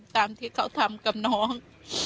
ตามที่เขาทำกับน้อง